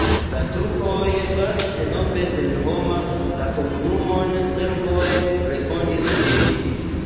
La turkoj faris denove senhoma la komunumon, serboj refondis ĝin.